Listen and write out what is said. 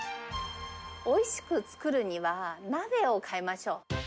おいしく作るには、鍋を変えましょう。